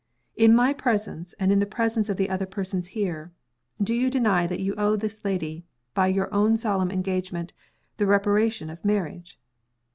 _ In my presence, and in the presence of the other persons here, do you deny that you owe this lady, by your own solemn engagement, the reparation of marriage?"